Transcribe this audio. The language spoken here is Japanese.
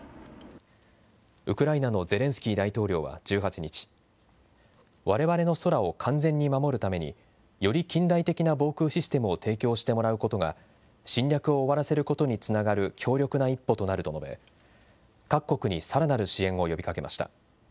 ウクライナのゼレンスキー大統領は１８日、われわれの空を完全に守るために、より近代的な防空システムを提供してもらうことが、侵略を終わらせることにつながる強力な一歩となると述べ、各国にさらなる支援を呼びかけました。